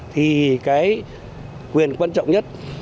thì cái quyền quan trọng nhất